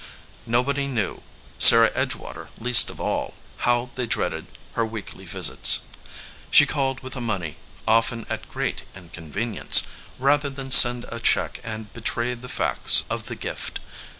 Nobody knew, Sarah Edgewater least of all, how they dreaded her weekly visits. She called with the money, often at great inconvenience, rather than send a check and betray the fact of the gift.